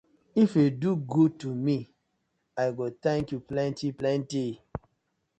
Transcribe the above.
If yu do good to me, I go tank yu plenty plenty.